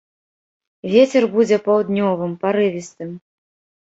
Вецер будзе паўднёвым, парывістым.